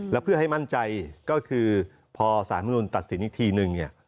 แล้วเพื่อให้มั่นใจก็คือพอสาธารณูนตัดสินอีกทีหนึ่ง